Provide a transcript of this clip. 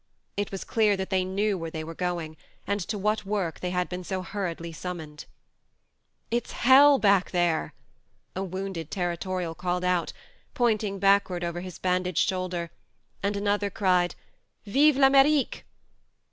It was clear that they knew where they were going, and to what work they had been so hurriedly summoned. " It's hell back there !" a wounded territorial called out, pointing backward THE MARNE 119 over his bandaged shoulder, and another cried :" Vive 1'Ame'rique